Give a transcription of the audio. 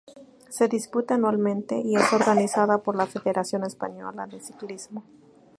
Se disputa anualmente y es organizada por la Federación Española de Ciclismo.